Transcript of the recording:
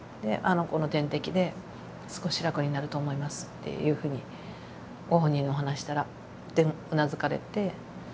「この点滴で少し楽になると思います」っていうふうにご本人にお話ししたら。ってうなずかれて。